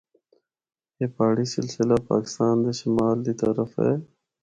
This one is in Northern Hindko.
اے پہاڑی سلسلہ پاکستان دے شمال دی طرف ہے۔